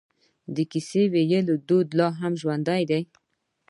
د کیسه ویلو دود لا هم ژوندی دی.